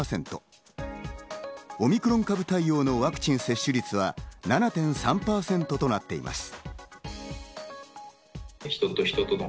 オミクロン株対応のワクチン接種率は７．３％となっています。